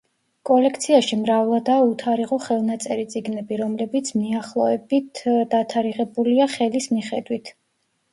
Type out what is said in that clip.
კოლექციაში მრავლადაა უთარიღო ხელნაწერი წიგნები, რომლებიც მიახლოებით დათარიღებულია ხელის მიხედვით.